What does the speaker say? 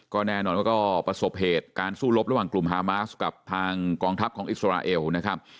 ก็แน่นอนว่าก็ประสบเหตุการสู้รบระหว่างกลุ่มฮามาสกับทางกองทัพของอิสราเอลนะครับ